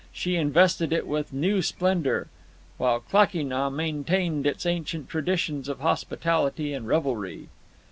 She invested it with new splendour, while Klakee Nah maintained its ancient traditions of hospitality and revelry.